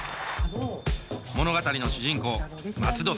物語の主人公松戸諭。